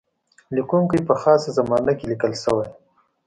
لیکونکی په خاصه زمانه کې لیکل شوی.